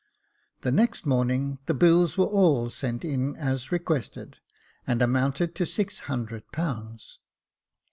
The next morning the bills were all sent in as requested, and amounted to six hundred pounds.